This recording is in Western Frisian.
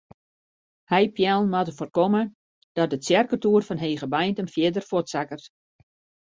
Heipeallen moatte foarkomme dat de tsjerketoer fan Hegebeintum fierder fuortsakket.